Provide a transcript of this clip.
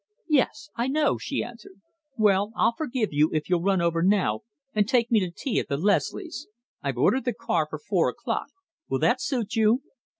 "Yes, I know!" she answered. "Well, I'll forgive you if you'll run over now and take me to tea at the Leslies. I've ordered the car for four o'clock. Will that suit you?"